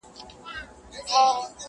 لکه سرو معلومداره په چمن کي!!